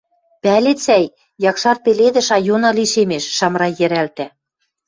Пӓлет, сӓй: Якшар пеледӹш айона лишемеш, — Шамрай йӹрӓлтӓ.